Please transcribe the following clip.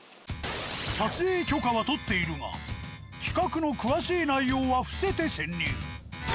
撮影許可は取っているが企画の詳しい内容は伏せて潜入。